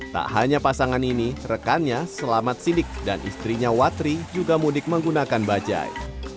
tak hanya pasangan ini rekannya selamat sidik dan istrinya watri juga mudik menggunakan bajai